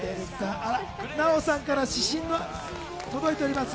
ナヲさんから私信が届いております。